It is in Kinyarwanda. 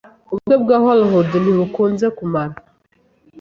Ubukwe bwa Hollywood ntibukunze kumara.